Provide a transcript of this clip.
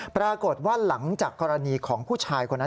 ปรากฏว่าหลังจากกรณีของผู้ชายคนนั้น